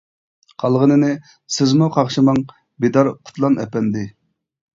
قالغىنىنى سىزمۇ قاقشىماڭ بىدار قۇتلان ئەپەندى.